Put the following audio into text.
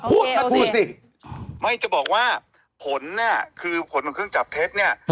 พูดสิไม่จะบอกว่าผลเนี่ยคือผลของเครื่องจับเท็จเนี่ย